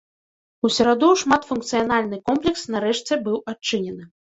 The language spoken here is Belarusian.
У сераду шматфункцыянальны комплекс нарэшце быў адчынены.